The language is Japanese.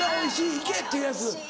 いけ！っていうやつ。